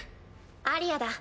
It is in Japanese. アリヤだ。